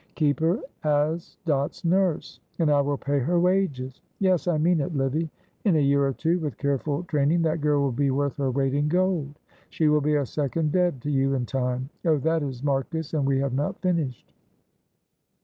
"Keep her as Dot's nurse, and I will pay her wages. Yes, I mean it, Livy. In a year or two with careful training that girl will be worth her weight in gold. She will be a second Deb to you in time. Oh, that is Marcus, and we have not finished."